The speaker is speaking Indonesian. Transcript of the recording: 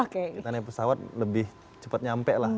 kita naik pesawat lebih cepat nyampe lah